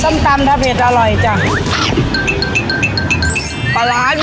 ส้มตำถ้าเผ็ดอร่อยจัก